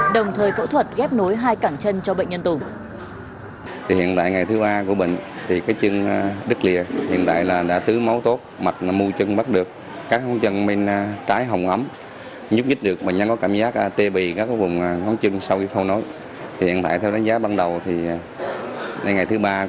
đồng thời phẫu thuật ghép nối hai cản chân cho bệnh nhân tùng